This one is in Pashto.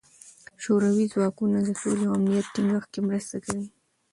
شوروي ځواکونه د سولې او امنیت ټینګښت کې مرسته کوي.